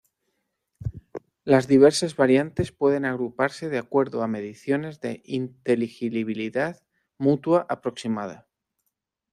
Las diversas variantes pueden agruparse de acuerdo a mediciones de inteligibilidad mutua aproximada.